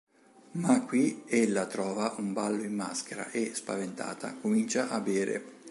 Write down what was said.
Ma qui ella trova un ballo in maschera e, spaventata, comincia a bere.